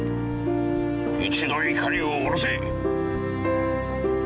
一度いかりを下ろせ。